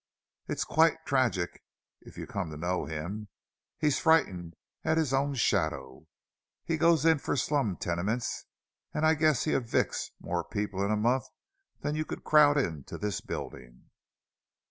It's quite tragic, if you come to know him—he's frightened at his own shadow. He goes in for slum tenements, and I guess he evicts more people in a month than you could crowd into this building!"